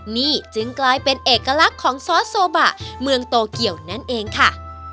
นี่จึงกลายเป็นเอกลักษณ์ของซอสโซบะเมืองโตเกียวนั่นเองค่ะ